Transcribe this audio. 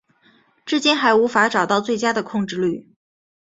现今还无法找到最佳的控制律。